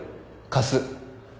貸す。